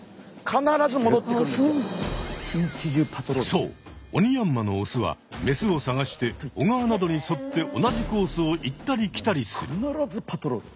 そうオニヤンマのオスはメスをさがして小川などに沿って同じコースを行ったり来たりする。